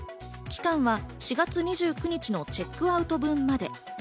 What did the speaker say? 期間は４月２９日のチェックアウト分まで。